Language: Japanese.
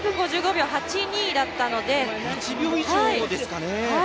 １秒以上ですかね。